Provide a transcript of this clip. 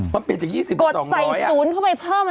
กดใส่๐เข้าไปเพิ่ม